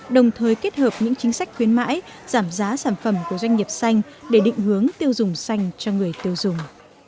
đồng thời kết hợp những chính sách khuyến mãi giảm giá sản phẩm của doanh nghiệp xanh để định hướng tiêu dùng xanh cho người tiêu dùng